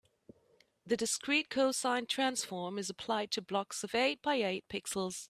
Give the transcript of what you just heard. The discrete cosine transform is applied to blocks of eight by eight pixels.